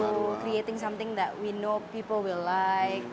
membuat sesuatu yang kita tahu orang akan suka